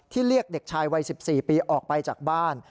เรียกเด็กชายวัย๑๔ปีออกไปจากบ้าน